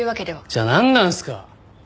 じゃあなんなんですか！？